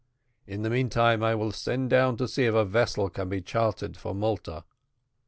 In the meantime I will send down and see if a vessel can be chartered for Malta."